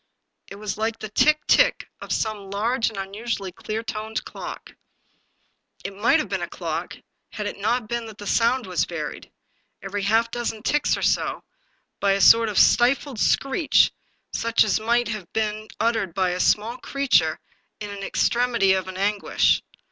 It was like the tick, tick of some large and unusually clear toned clock. It might have been a clock, had it not been that the sound was varied, every half dozen ticks or so, by a sort of stifled screech, such as might have been uttered by some small creature in an extremity of an guish.